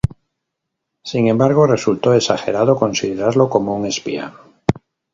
Sin embargo, resulta exagerado considerarlo como un espía.